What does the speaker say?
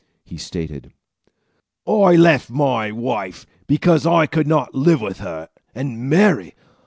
He stated: "I left my wife, because I could not live with her, and, marry!